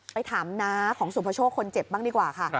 ไปถามน้าของสุภโชคคนเจ็บบ้างดีกว่าค่ะ